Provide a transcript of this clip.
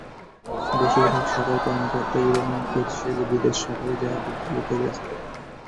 বেশির ভাগ সাঁতার কর্মকর্তাই ইদানীং কোচ সেজে বিদেশ সফরে যাওয়ার প্রতিযোগিতায় ব্যস্ত।